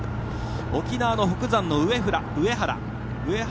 沖縄の北山の上原。